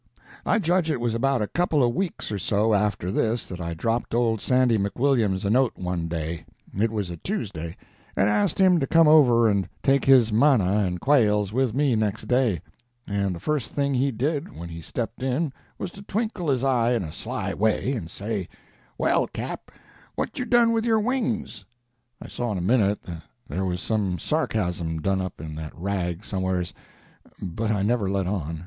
I judge it was about a couple of weeks or so after this that I dropped old Sandy McWilliams a note one day—it was a Tuesday—and asked him to come over and take his manna and quails with me next day; and the first thing he did when he stepped in was to twinkle his eye in a sly way, and say,— "Well, Cap, what you done with your wings?" I saw in a minute that there was some sarcasm done up in that rag somewheres, but I never let on.